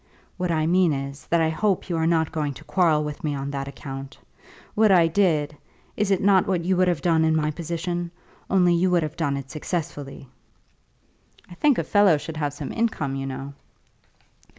"What I mean is, that I hope you are not going to quarrel with me on that account? What I did, is it not what you would have done in my position? only you would have done it successfully?" "I think a fellow should have some income, you know."